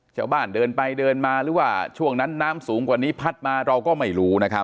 ชาวบ้านเดินไปเดินมาหรือว่าช่วงนั้นน้ำสูงกว่านี้พัดมาเราก็ไม่รู้นะครับ